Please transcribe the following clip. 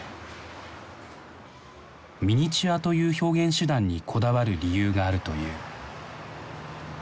ミニチュアという表現手段にこだわる理由があるという。